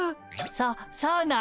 そそうなん？